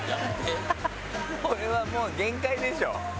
これはもう限界でしょ！